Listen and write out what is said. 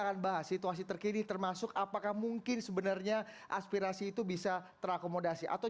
akan bahas situasi terkini termasuk apakah mungkin sebenarnya aspirasi itu bisa terakomodasi atau